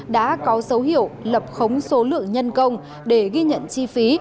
đã có dấu hiệu lập khống số lượng nhân công để ghi nhận chi phí